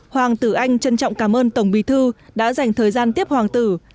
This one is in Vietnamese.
hoàng tử anh trân trọng cảm ơn tổng bí thư đã dành thời gian tiếp hoàng tử